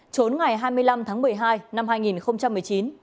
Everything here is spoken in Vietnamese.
trốn ngày hai mươi năm tháng một mươi hai năm hai nghìn một mươi chín